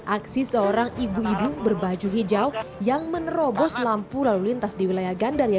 aksi seorang ibu ibu berbaju hijau yang menerobos lampu lalu lintas di wilayah gandaria